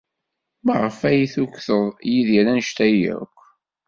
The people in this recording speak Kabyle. Maɣef ay tukḍed Yidir anect-a akk?